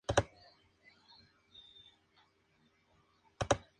Es la mejor amiga de Patricio Estrella y Bob Esponja.